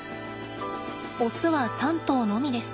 オスは３頭のみです。